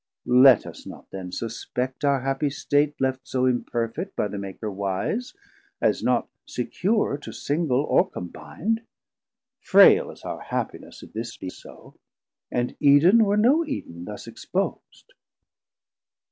Let us not then suspect our happie State Left so imperfet by the Maker wise, As not secure to single or combin'd. Fraile is our happiness, if this be so, 340 And Eden were no Eden thus expos'd.